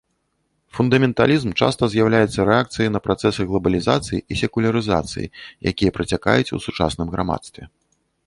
Фундаменталізм часта з'яўляецца рэакцыяй на працэсы глабалізацыі і секулярызацыі, якія працякаюць у сучасным грамадстве.